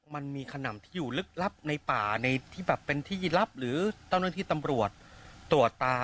มันมีขนำที่อยู่ลึกลับในป่าในที่แบบเป็นที่ลับหรือเจ้าหน้าที่ตำรวจตรวจตา